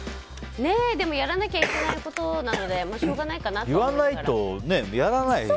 でもやらなきゃいけないことなのでしょうがないかなとは思いながら。